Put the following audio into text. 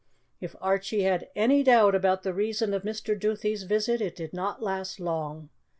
If Archie had any doubt about the reason of Mr. Duthie's visit, it did not last long.